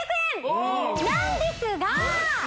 おっなんですが？